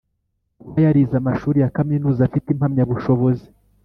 Kuba yarize amashuri yakaminuza afite impamyabushobozi